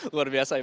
luar biasa ya